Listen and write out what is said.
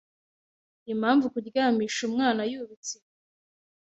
impamvu kuryamisha umwana yubitse inda